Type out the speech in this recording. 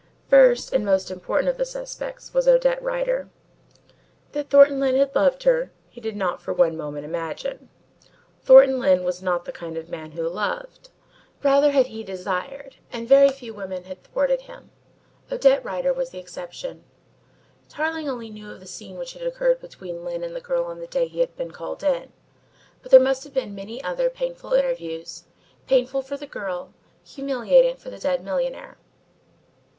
First and most important of the suspects was Odette Rider. That Thornton Lyne had loved her, he did not for one moment imagine. Thornton Lyne was not the kind of man who loved. Rather had he desired, and very few women had thwarted him. Odette Rider was an exception. Tarling only knew of the scene which had occurred between Lyne and the girl on the day he had been called in, but there must have been many other painful interviews, painful for the girl, humiliating for the dead millionaire.